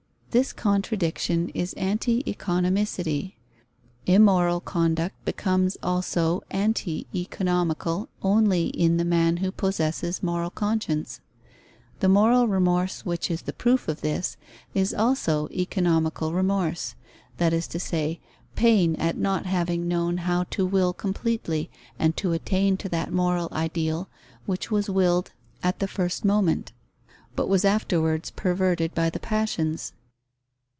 This contradiction is anti economicity. Immoral conduct becomes also anti economical only in the man who possesses moral conscience. The moral remorse which is the proof of this, is also economical remorse; that is to say, pain at not having known how to will completely and to attain to that moral ideal which was willed at the first moment, but was afterwards perverted by the passions.